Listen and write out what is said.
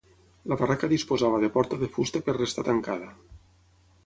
La barraca disposava de porta de fusta per restar tancada.